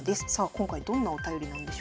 今回どんなお便りなんでしょうか。